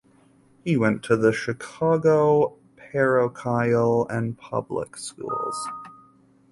He went to the Chicago parochial and public schools.